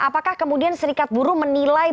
apakah kemudian serikat buruh menilai